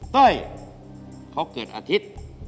ใช่เค้าเกิดอธิษฐ์